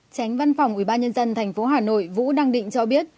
tránh văn phòng ủy ban nhân dân tp hcm vũ đăng định cho biết